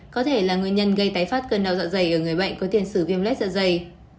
có thể là nguyên nhân gây tái phát cơn đau dạ dày ở người bệnh có tiền sử viêm lết dạ dày